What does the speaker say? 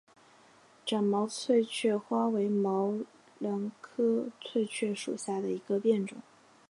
展毛翠雀花为毛茛科翠雀属下的一个变种。